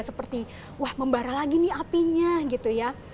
seperti wah membara lagi nih apinya gitu ya